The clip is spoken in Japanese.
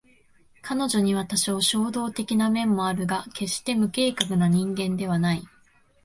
彼女には多少衝動的な面もあるが決して無計画な人間ではない